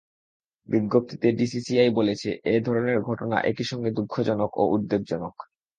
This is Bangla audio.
বিজ্ঞপ্তিতে ডিসিসিআই বলেছে, এ ধরনের ঘটনা একই সঙ্গে দুঃখজনক ও উদ্বেগজনক।